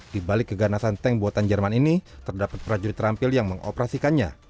di balik keganasan tank buatan jerman ini terdapat prajurit terampil yang mengoperasikannya